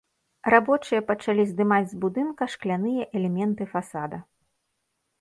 Рабочыя пачалі здымаць з будынка шкляныя элементы фасада.